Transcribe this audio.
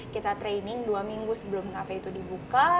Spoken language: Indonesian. kita training dua minggu sebelum kafe itu dibuka